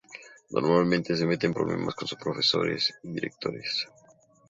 Normalmente se mete en problemas con sus profesores y su director.